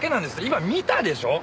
今見たでしょう！？